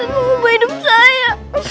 ustadz mau ubah hidup saya